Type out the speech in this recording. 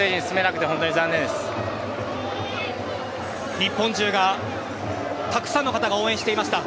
日本中が、たくさんの方が応援していました。